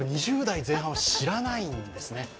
２０代前半は知らないんですね